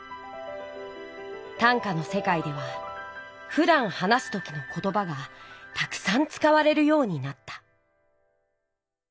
短歌の世界ではふだん話す時のことばがたくさんつかわれるようになった。